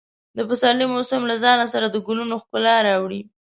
د پسرلي موسم له ځان سره د ګلونو ښکلا راوړي.